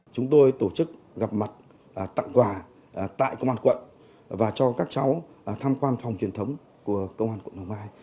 chúng tôi tổ chức gặp mặt tặng quà tại công an quận và cho các cháu tham quan phòng truyền thống của công an quận hoàng mai